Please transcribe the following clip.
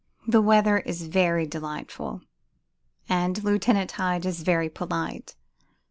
"The weather is very delightful, and Lieutenant Hyde is very polite.